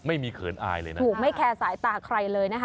เขินอายเลยนะถูกไม่แคร์สายตาใครเลยนะคะ